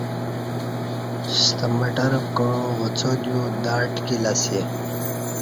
ستہ مٹر پکعو وڅودیو دا ٹکِیل اسی۔